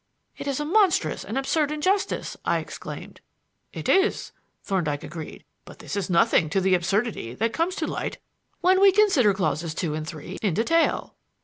"It is a monstrous and absurd injustice," I exclaimed. "It is," Thorndyke agreed; "but this is nothing to the absurdity that comes to light when we consider clauses two and three in detail.